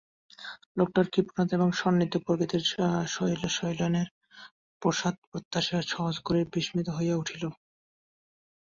লোকটার কৃপণতা এবং সন্দিগ্ধ প্রকৃতিতে শৈলেনের প্রসাদপ্রত্যাশী সহজরগুলি বিস্মিত হইয়া উঠিল।